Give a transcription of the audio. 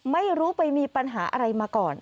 ไม่รู้ไปมีปัญหาอะไรมาก่อน